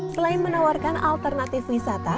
selain menawarkan alternatif wisata